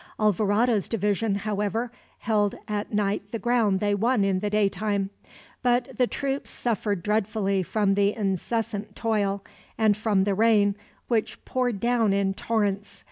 Alvarado's division, however, held at night the ground they won in the daytime; but the troops suffered dreadfully from the incessant toil, and from the rain, which poured down in torrents.